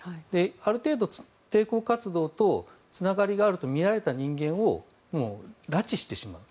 ある程度、抵抗活動とつながりがあるとみられた人間をもう拉致してしまう。